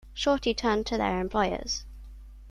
Shorty turned to their employers.